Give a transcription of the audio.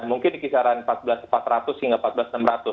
mungkin di kisaran empat belas empat ratus hingga empat belas enam ratus